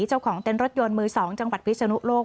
เจ้าของเต้นรถยนต์มือ๒จังหวัดพิศนุโลก